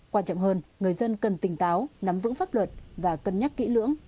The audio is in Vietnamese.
quan trọng hơn người dân cần tỉnh táo nắm vững pháp luật và cân nhắc kỹ lưỡng